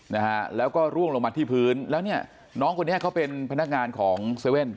นะฮะแล้วก็ร่วงลงมาที่พื้นแล้วเนี่ยน้องคนนี้เขาเป็นพนักงานของเซเว่น